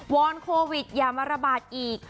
อนโควิดอย่ามาระบาดอีก